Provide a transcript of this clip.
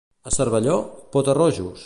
A Cervelló, pota-rojos.